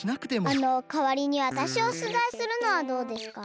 あのかわりにわたしをしゅざいするのはどうですか？